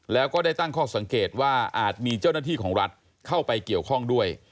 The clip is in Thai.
แล้วก็ได้ตั้งข้อสังเกตว่าอาจมีเจ้าหน้าที่ของรัฐเข้าไปเกี่ยวข้องด้วย